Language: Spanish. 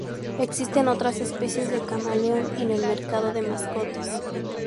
Existen otras especies de camaleón en el mercado de mascotas.